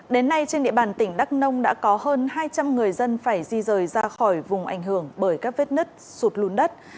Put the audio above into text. đến nay trên địa bàn tỉnh đắk nông đã có hơn hai trăm linh người dân phải di rời ra khỏi vùng ảnh hưởng bởi các vết nứt sụt lùn đất